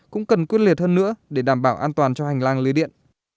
cũng cần quyết liệt hơn nữa để đảm bảo an toàn cho hành lang lưới điện